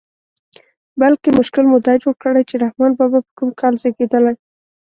بلکې مشکل مو دا جوړ کړی چې رحمان بابا په کوم کال زېږېدلی.